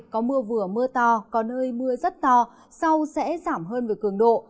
có mưa vừa mưa to có nơi mưa rất to sau sẽ giảm hơn về cường độ